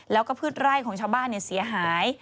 แล้วก็พืชไร่ของชาวบ้านเสียหาย